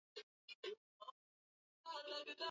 Dada yangu ni mzuri